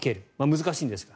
難しいんですが。